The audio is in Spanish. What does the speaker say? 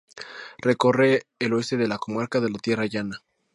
Recorre el oeste de la comarca de la Tierra Llana.